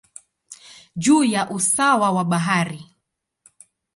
juu ya usawa wa bahari.